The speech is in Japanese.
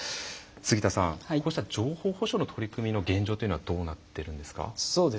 杉田さん、こうした情報保障の取り組みというのは現状どうなっているんですか。